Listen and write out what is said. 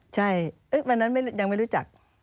ใช่วันนั้นยังไม่รู้จัก